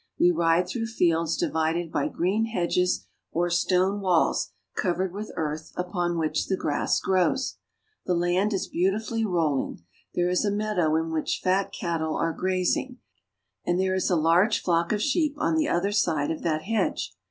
We ride through fields di vided by green hedges or stone walls coverad with earth upon which the grass grows. The land is beautifully roll ing. There is a meadow in which fat cattle are grazing, and there is a large flock of sheep on the other side of that hedge.